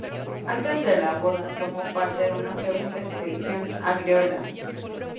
Antes de la boda tomó parte en una segunda expedición a Groenlandia.